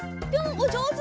おっじょうず！